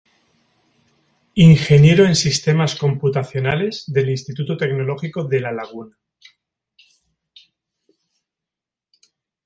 Ingeniero en Sistemas Computacionales del Instituto Tecnológico de la Laguna.